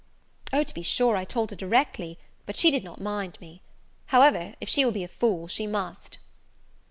"O, to be sure, I told her directly; but she did not mind me; however, if she will be a fool she must."